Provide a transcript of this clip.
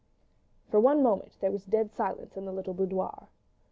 ... For one moment there was dead silence in the little boudoir.